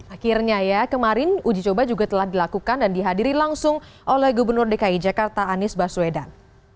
akhirnya ya kemarin uji coba juga telah dilakukan dan dihadiri langsung oleh gubernur dki jakarta anies baswedan